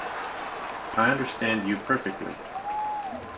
I understand you perfectly.